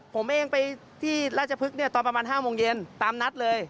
ผมเองไปที่ราชพฤกษ์ตอนประมาณ๕โมงเย็นตามนัดเลย